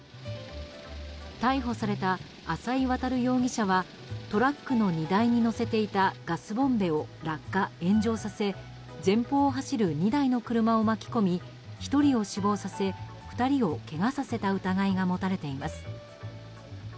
逮捕された浅井渉容疑者はトラックの荷台に載せていたガスボンベを落下・炎上させ前方を走る２台の車を巻き込み１人を死亡させ２人をけがさせた疑いが持たれています。